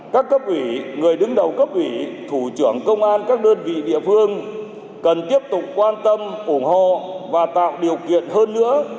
các cấp ủy người đứng đầu cấp ủy thủ trưởng công an các đơn vị địa phương cần tiếp tục quan tâm ủng hộ và tạo điều kiện hơn nữa